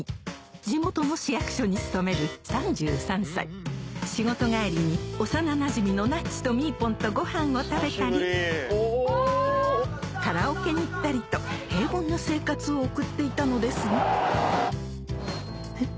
地元の市役所に勤める３３歳仕事帰りに幼なじみのなっちとみーぽんとごはんを食べたりカラオケに行ったりと平凡な生活を送っていたのですがえ？